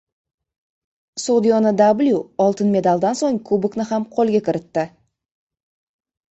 “So‘g‘diyona-W” oltin medaldan so‘ng Kubokni ham qo‘lga kiritdi